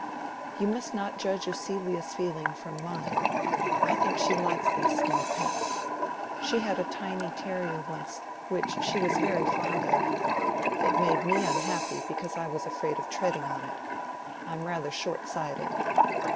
"You must not judge of Celia's feeling from mine. I think she likes these small pets. She had a tiny terrier once, which she was very fond of. It made me unhappy, because I was afraid of treading on it. I am rather short sighted."